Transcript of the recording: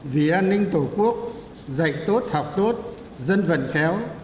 vì an ninh tổ quốc dạy tốt học tốt dân vận khéo